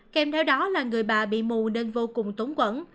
kèm theo đó là người bà bị mù nên vô cùng tốn quẩn